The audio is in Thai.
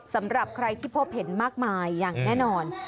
สำหรับใครที่พบเห็นมากมายอย่างแน่นอน